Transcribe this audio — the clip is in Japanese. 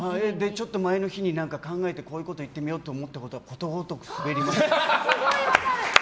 ちょっと前の日に考えて、こういうことを言ってみようと思ったことはことごとくスベりますよ。